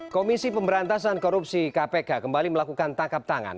komisi pemberantasan korupsi kpk kembali melakukan tangkap tangan